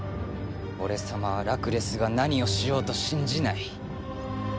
俺様はラクレスが何をしようと信じない。